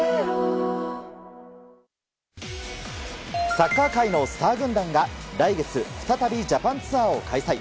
サッカー界のスター軍団が来月、再びジャパンツアーを開催。